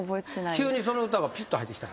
急にその歌がピッと入ってきた？